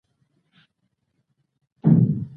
غټ دروغجن یې